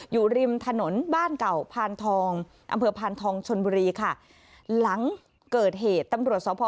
อยู่ริมถนนบ้านเก่าอำเภอพานทองชนบุรีค่ะ